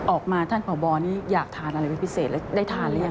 ออกมาท่านผอบอนี่อยากทานอะไรเป็นพิเศษแล้วได้ทานหรือยัง